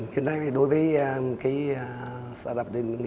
hiện nay đối với cái